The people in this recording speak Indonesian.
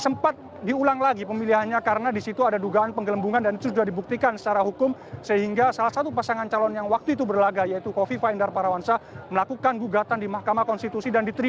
mereka hanya berkonsentrasi untuk menjaga keamanan di jawa timur